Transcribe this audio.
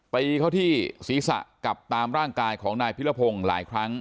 ไปเข้าที่ศีรษะกับตามร่างกายของนายพิรพงศ์หลายครั้ง